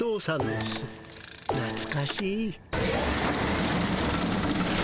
なつかしい。